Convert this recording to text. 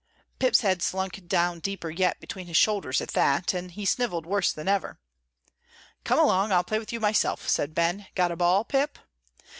Pip's head slunk down deeper yet between his shoulders at that, and he snivelled worse than ever. "Come along, I'll play with you myself," said Ben. "Got a ball, Pip?"